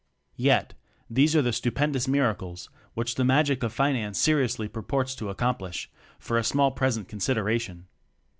Yet, these are the stupendous mir acles which the "magic of finance" se riously purports to accomplish for a small present consideration.